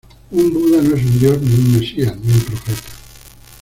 Un buda no es un dios, ni un mesías, ni un profeta.